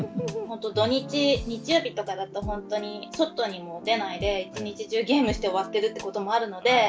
本当に土日日曜日とかだと本当に外にも出ないで一日中ゲームして終わってるってこともあるので。